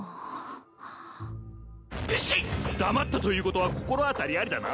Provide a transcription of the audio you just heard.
黙ったということは心当たりありだな